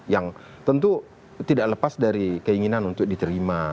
yang tentu tidak lepas dari keinginan untuk diterima